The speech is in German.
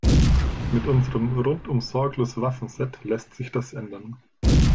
Mit unserem Rundum-Sorglos-Waffenset lässt sich das ändern.